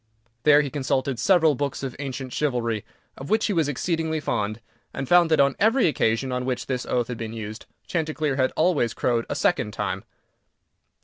There he consulted several books of ancient chivalry, of which he was exceedingly fond, and found that, on every occasion on which this oath had been used, Chanticleer had always crowed a second time.